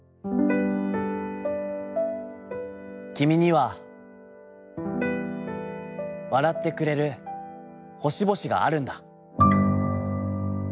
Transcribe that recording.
『きみには、笑ってくれる星々があるんだ！』」。